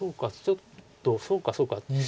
ちょっとそうかそうか。